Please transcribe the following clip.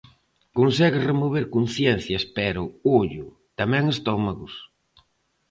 Consegue remover conciencias pero, ollo, tamén estómagos...